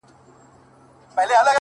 بيا کرار !کرار د بت و خواته گوري!